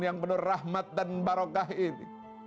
yang penuh rahmat dan barokah ini